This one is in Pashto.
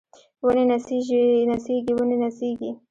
ونې نڅیږي ونې نڅیږي